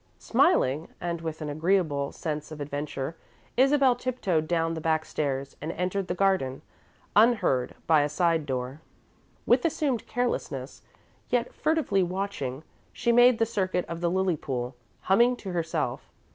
Smiling, and with an agreeable sense of adventure, Isabel tiptoed down the back stairs, and entered the garden, unheard, by a side door. With assumed carelessness, yet furtively watching, she made the circuit of the lily pool, humming to herself.